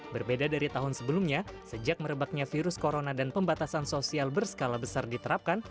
berbeda dari tahun sebelumnya sejak merebaknya virus corona dan pembatasan sosial berskala besar diterapkan